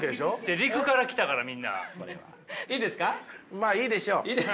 まあいいでしょう。